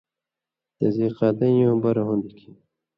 تے ذیقعدَیں یُون٘ہہۡ برہۡ ہُوۡن٘دیۡ کھیں